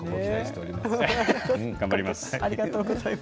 頑張ります。